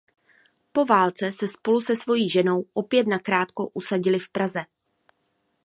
Po válce se spolu se svoji ženou opět nakrátko usadili v Praze.